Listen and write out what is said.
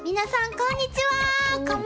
こんにちは。